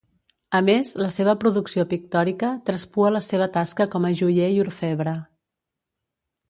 A més, la seva producció pictòrica traspua la seva tasca com a joier i orfebre.